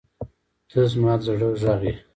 • ته زما د زړه غږ یې.